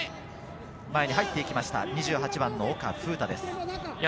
前に入っていきました、２８番の岡楓太です。